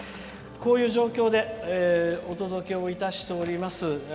こういう状況でお届けをしております